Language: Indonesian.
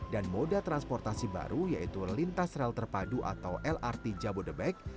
dan moda transportasi baru yaitu lintas rel terpadu atau lrt jabodebek